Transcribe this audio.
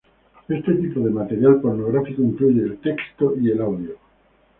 Este tipo de material pornográfico incluye el texto y el audio.